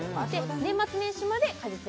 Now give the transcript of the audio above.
年末年始まで果実園